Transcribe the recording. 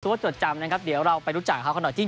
สุพสจดจำนะครับเดี๋ยวเราไปรู้จักเขาขนาดนี้